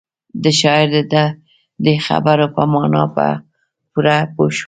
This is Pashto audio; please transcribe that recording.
د شاعر د دې خبرو پر مانا به پوره پوه شئ.